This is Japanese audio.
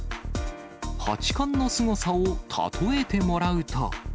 八冠のすごさを例えてもらうと。